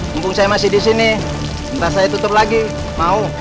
mumpung saya masih di sini entah saya tutup lagi mau